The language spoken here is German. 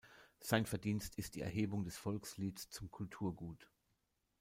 Sein Verdienst ist die Erhebung des Volkslieds zum Kulturgut.